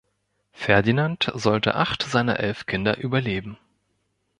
Ferdinand sollte acht seiner elf Kinder überleben.